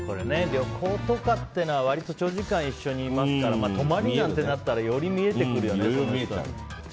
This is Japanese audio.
旅行っていうのは割と長時間一緒にいますから泊まりなんてなったらより見えてくるよね。